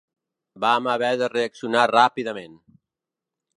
Vam haver de reaccionar ràpidament.